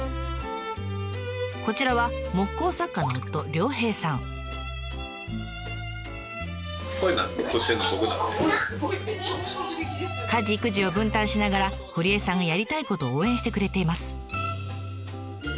こちらは木工作家の家事育児を分担しながら堀江さんがやりたいことを応援してくれています。